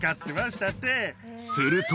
すると。